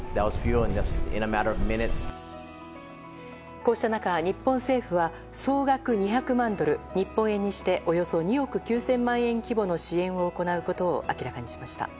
こうした中、日本政府は総額２００万ドル日本円にしておよそ２億９０００万円規模の支援を行うことを明らかにしました。